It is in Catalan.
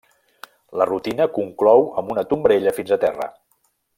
La rutina conclou amb una tombarella fins a terra.